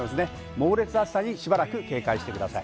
猛烈な暑さに、しばらく警戒してください。